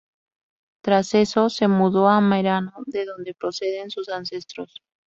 Tras eso, se mudó a Merano, de donde proceden sus ancestros.